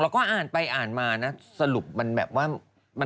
เราก็อ่านไปอ่านมาน่ะสรุปมันอ่ะแบบว่า